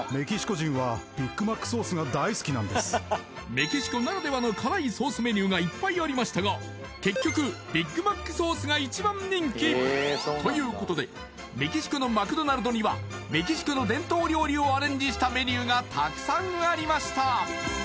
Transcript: メキシコならではの辛いソースメニューがいっぱいありましたが結局ビッグマックソースが一番人気！ということでメキシコのマクドナルドにはメキシコの伝統料理をアレンジしたメニューがたくさんありました